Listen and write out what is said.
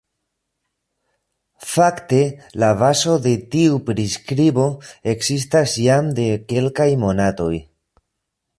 Fakte la bazo de tiu priskribo ekzistas jam de kelkaj monatoj.